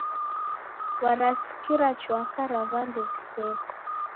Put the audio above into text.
Warasikira chwaka ra w'andu w'iseko.